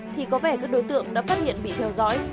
thì có vẻ các đối tượng đã phát hiện bị theo dõi